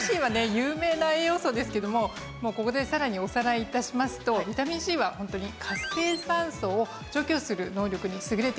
有名な栄養素ですけどもここでさらにおさらい致しますとビタミンＣはホントに活性酸素を除去する能力に優れていますよね。